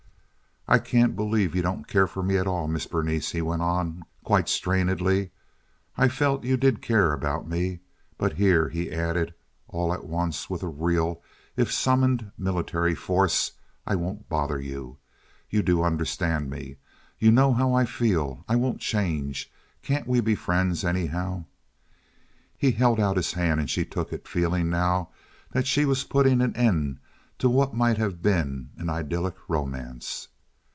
"I can't believe you don't care for me at all, Miss Berenice," he went on, quite strainedly. "I felt you did care about me. But here," he added, all at once, with a real, if summoned, military force, "I won't bother you. You do understand me. You know how I feel. I won't change. Can't we be friends, anyhow?" He held out his hand, and she took it, feeling now that she was putting an end to what might have been an idyllic romance.